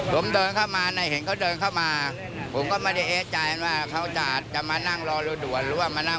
แล้วก็มาบอกกับพวกที่ในผู้โดยสารในโปะว่า